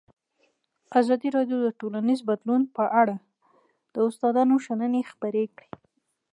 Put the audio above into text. ازادي راډیو د ټولنیز بدلون په اړه د استادانو شننې خپرې کړي.